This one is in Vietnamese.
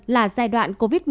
là giai đoạn covid một mươi chín